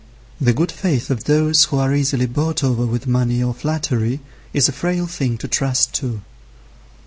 The good faith of those who are easily bought over with money or flattery is a frail thing to trust to.